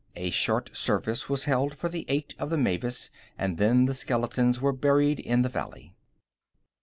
A short service was held for the eight of the Mavis and then the skeletons were buried in the valley.